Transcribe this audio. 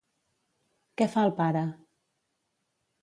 Què fa el pare?